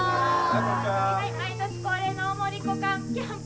毎年恒例の大森っ子キャンプ